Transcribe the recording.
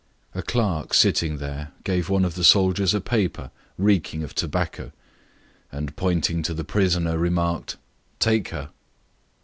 A clerk who was sitting there gave one of the soldiers a paper reeking of tobacco, and pointing to the prisoner, remarked, "Take her."